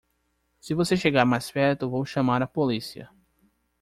se você chegar mais perto vou chamar a policia